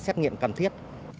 xét nghiệm cần thiết